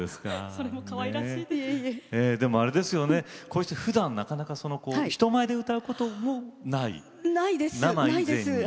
でも、こうしてぶだんなかなか、人前で歌うこともない？ないです。